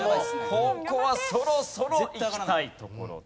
ここはそろそろいきたいところです。